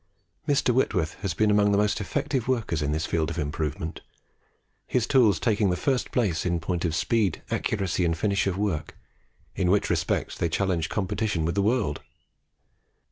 Mr. Whitworth has been among the most effective workers in this field of improvement, his tools taking the first place in point of speed, accuracy, and finish of work, in which respects they challenge competition with the world.